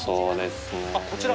こちら？